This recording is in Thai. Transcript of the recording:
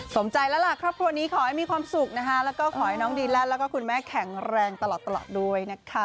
สมใจแล้วล่ะครอบครัวนี้ขอให้มีความสุขนะคะแล้วก็ขอให้น้องดีแลนดแล้วก็คุณแม่แข็งแรงตลอดด้วยนะคะ